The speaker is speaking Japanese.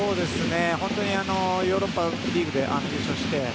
本当にヨーロッパリーグでも優勝して。